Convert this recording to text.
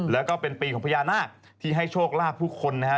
แล้วก็เป็นปีของพญานาคที่ให้โชคลาภผู้คนนะฮะ